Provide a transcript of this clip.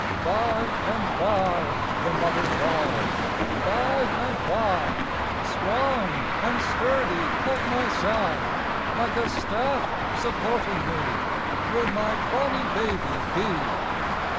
"By and by," the mother cried "by and by, Strong and sturdy at my side, Like a staff supporting me, Will my bonnie baby be.